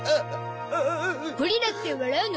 ゴリラって笑うの？